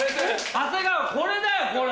長谷川これだよこれ！